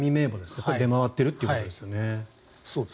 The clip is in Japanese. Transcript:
これが出回っているということですよね。